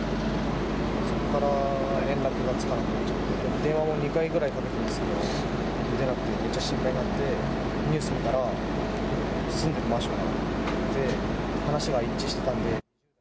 そこから連絡がつかない状態で、電話も２回ぐらいかけたんですけど、出なくて、めっちゃ心配になって、ニュース見たら、住んでるマンション、話が一致してたんで。